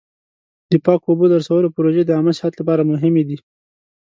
د پاکو اوبو د رسولو پروژې د عامه صحت لپاره مهمې دي.